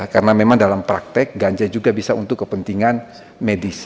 karena memang dalam praktek ganja juga bisa untuk kepentingan medis